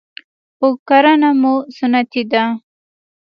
خو کرهنه مو سنتي ده